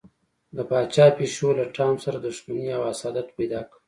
د پاچا پیشو له ټام سره دښمني او حسادت پیدا کړ.